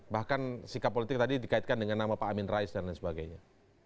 bahkan sikap politik tadi dikaitkan dengan nama pak amin rais dan lain sebagainya